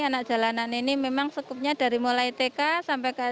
anak jalanan ini memang sekupnya dari mulai tk sampai ke